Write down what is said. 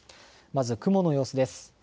まず雲の様子です。